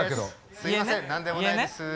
すいません何でもないです。